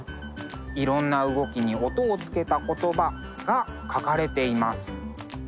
いろんな動きに音をつけた言葉が書かれています。